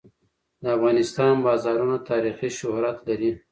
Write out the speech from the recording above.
د افغانستان بازارونه تاریخي شهرت لري.